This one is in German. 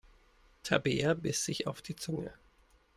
Tabea biss sich auf die Zunge.